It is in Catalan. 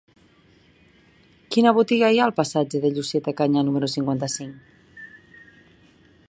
Quina botiga hi ha al passatge de Llucieta Canyà número cinquanta-cinc?